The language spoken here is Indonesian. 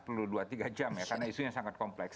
perlu dua tiga jam ya karena isunya sangat kompleks